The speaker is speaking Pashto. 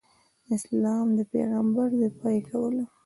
د اسلام د پیغمبر دفاع یې کوله.